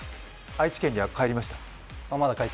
愛知県には帰りました？